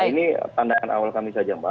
nah ini tandaan awal kami saja mbak